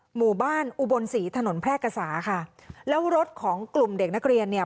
หมู่บ้านอุบลศรีถนนแพร่กษาค่ะแล้วรถของกลุ่มเด็กนักเรียนเนี่ย